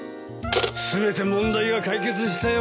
全て問題が解決したよ